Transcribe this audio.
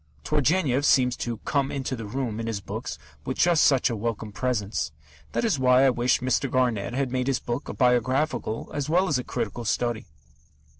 Turgenev seems to "come into the room" in his books with just such a welcome presence. That is why I wish Mr. Garnett had made his book a biographical, as well as a critical, study.